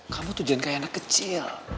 kamu tuh jangan kayak anak kecil